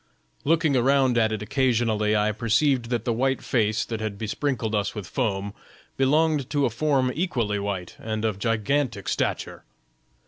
"Looking around at it occasionally, I perceived that the white face that had besprinkled us with foam belonged to a form equally white and of gigantic stature.